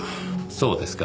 そうですか。